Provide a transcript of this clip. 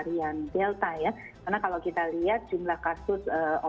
iya jadi sama kalau kita berpikirkan peningkatan kasus ya